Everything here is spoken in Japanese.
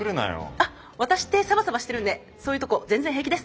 あっワタシってサバサバしてるんでそういうとこ全然平気です！